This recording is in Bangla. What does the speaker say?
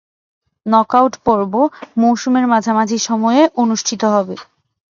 নকআউট পর্ব মৌসুমের মাঝামাঝি সময়ে অনুষ্ঠিত হবে।